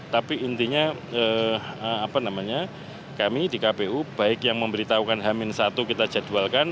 tapi intinya kami di kpu baik yang memberitahukan hamin satu kita jadwalkan